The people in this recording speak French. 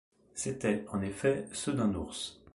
C’étaient, en effet, ceux d’un ours.